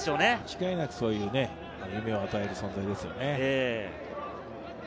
間違いなくそういうふうに夢を与える存在でしょうね。